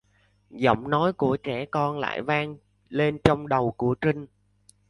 Giọng nói của trẻ con lại vang lên trong đầu của Trinh